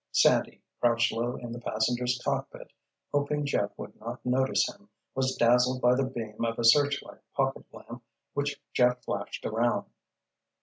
Sandy, crouched low in the passenger's cockpit, hoping Jeff would not notice him, was dazzled by the beam of a searchlight pocket lamp which Jeff flashed around.